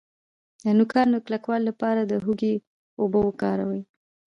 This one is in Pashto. د نوکانو د کلکوالي لپاره د هوږې اوبه وکاروئ